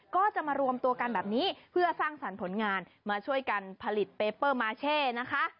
ก็จะมารวมตัวกันแบบนี้เพื่อสร้างสรรค์ผลงานมาช่วยกันผลิตเปเปอร์มาเช่นะคะ